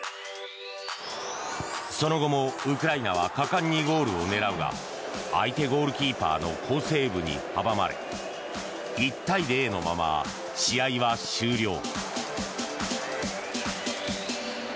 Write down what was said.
その後もウクライナは果敢にゴールを狙うが相手ゴールキーパーの好セーブに阻まれ１対０のまま試合は終了。